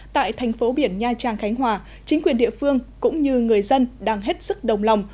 tại thành phố biển nha trang khánh hòa chính quyền địa phương cũng như người dân đang hết sức đồng lòng